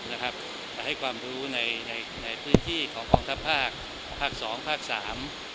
แต่ให้ความรู้ในพื้นที่ขององค์ทัพภาคภาค๒๓